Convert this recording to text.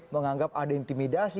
menganggap ada intimidasi